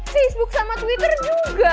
facebook sama twitter juga